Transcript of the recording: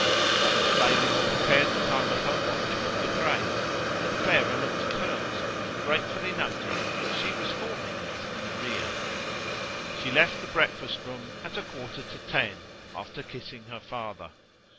One of the ladies compared the time of her watch with De Craye's, and Clara looked at hers and gratefully noted that she was four minutes in arrear. She left the breakfast room at a quarter to ten, after kissing her father.